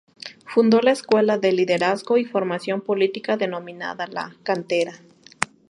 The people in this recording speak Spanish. Fundó la Escuela de Liderazgo y Formación Política denominada 'La Cantera'.